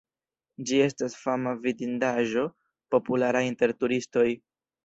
Ĝi estas fama vidindaĵo, populara inter turistoj.